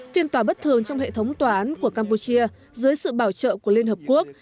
phiên tòa bất thường trong hệ thống tòa án của campuchia dưới sự bảo trợ của liên hợp quốc